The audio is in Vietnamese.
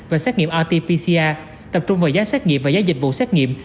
và xét nghiệm rt pcr tập trung vào giá xét nghiệm và giá dịch vụ xét nghiệm